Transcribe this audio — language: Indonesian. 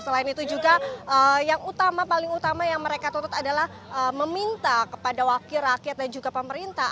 selain itu juga yang utama paling utama yang mereka tutut adalah meminta kepada wakil rakyat dan juga pemerintah